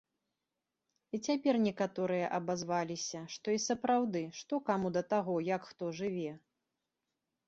І цяпер некаторыя абазваліся, што і сапраўды, што каму да таго, як хто жыве?